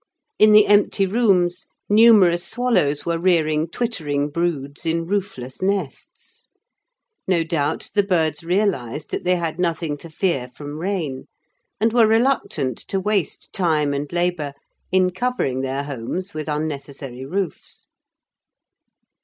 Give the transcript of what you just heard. In the empty rooms numerous swallows were rearing twittering broods in roofless nests. No doubt the birds realised that they had nothing to fear from rain, and were reluctant to waste time and labour in covering their homes with unnecessary roofs.